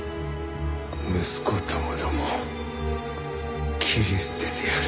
息子ともども切り捨ててやる。